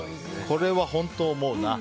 これは本当思うな。